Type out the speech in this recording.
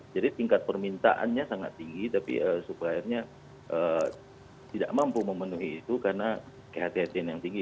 jadi tingkat permintaannya sangat tinggi tapi suppliernya tidak mampu memenuhi itu karena kehatian kehatian yang tinggi